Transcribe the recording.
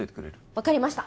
分かりました